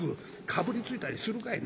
「かぶりついたりするかい。